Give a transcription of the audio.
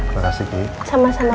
permisi pemba nino